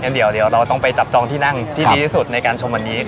เดี๋ยวเราต้องไปจับจองที่นั่งที่ดีที่สุดในการชมวันนี้